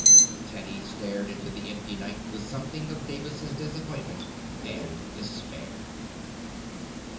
Teddy stared into the empty night with something of Davis' disappointment and despair.